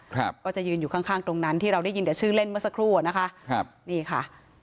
ก็จะยืนอยู่ข้างตรงนั้นที่เราได้ยินแต่ชื่อเล่นเมื่อสักครู่อะนะคะ